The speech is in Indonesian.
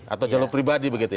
atau jalur pribadi begitu ya